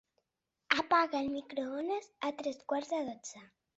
Apaga el microones a tres quarts de dotze.